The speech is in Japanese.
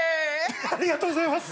ありがとうございます！